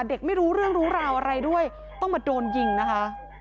ไม่รู้เรื่องรู้ราวอะไรด้วยต้องมาโดนยิงนะคะ